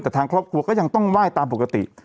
แต่ทางครอบครัวก็ยังต้องไหว้ตามปกติ